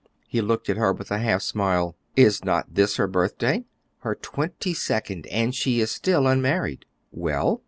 He looked at her with a half smile. "Is not this her birthday?" "Her twenty second, and she is still unmarried." "Well?"